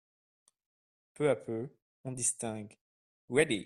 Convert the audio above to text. Peu à peu, on distingue :" Ready !…